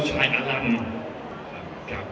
เสียงปลดมือจังกัน